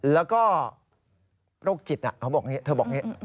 แล้วก็โรคจิตน่ะเธอบอกอย่างนี้